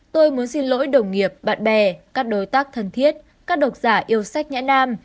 tôi muốn xin lỗi đồng nghiệp bạn bè các đối tác thân thiết các độc giả yêu sách nhã nam